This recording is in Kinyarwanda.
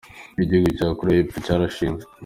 Igihugu cya Koreya y’epfo cyarashinzwe.